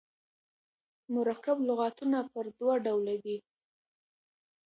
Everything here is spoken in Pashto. مرکب لغاتونه پر دوه ډوله دي.